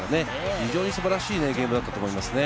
非常に素晴らしいゲームだったと思います。